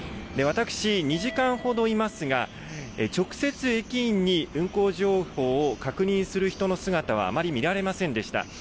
私、２時間ほどいますが、直接、駅員に運行情報を確認する人の姿はあまり見られませんでした。